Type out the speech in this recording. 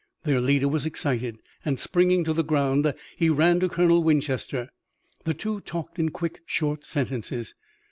Their leader was excited, and, springing to the ground, he ran to Colonel Winchester. The two talked in quick, short sentences.